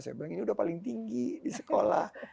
saya bilang ini udah paling tinggi di sekolah